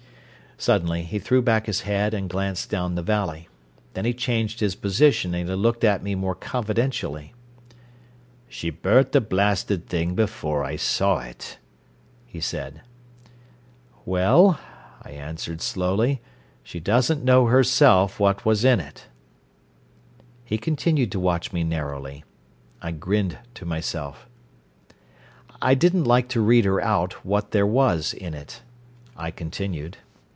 Suddenly he threw back his head and glanced down the valley. Then he changed his position and he looked at me more confidentially. "She burnt the blasted thing before I saw it," he said. "Well," I answered slowly, "she doesn't know herself what was in it." He continued to watch me narrowly. I grinned to myself. "I didn't like to read her out what there was in it," I continued.